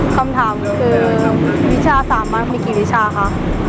คำถามคือวิชาสามารถมีกี่วิชาคะ